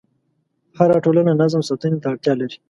هره ټولنه نظم ساتنې ته اړتیا لري.